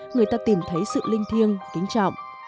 người ta tìm thấy sự linh thiêng kính trọng